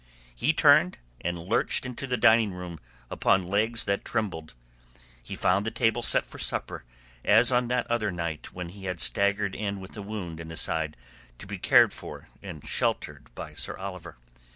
He turned, and lurched into the dining room upon legs that trembled. He found the table set for supper as on that other night when he had staggered in with a wound in his side to be cared for and sheltered by Sir Oliver.